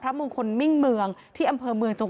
เพราะทนายอันนันชายเดชาบอกว่าจะเป็นการเอาคืนยังไง